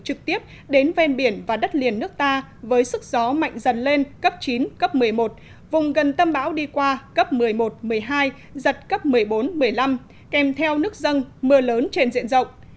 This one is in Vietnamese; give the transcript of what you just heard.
trực tiếp đến ven biển và đất liền nước ta với sức gió mạnh dần lên cấp chín cấp một mươi một vùng gần tâm bão đi qua cấp một mươi một một mươi hai giật cấp một mươi bốn một mươi năm kèm theo nước dân mưa lớn trên diện rộng